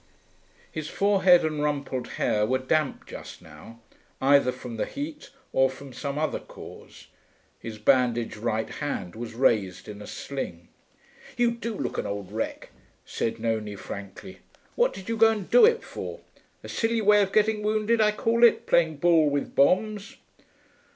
His forehead and rumpled hair were damp just now, either from the heat or from some other cause. His bandaged right hand was raised in a sling. 'You do look an old wreck,' said Nonie frankly. 'What did you go and do it for? A silly way of getting wounded, I call it, playing ball with bombs.'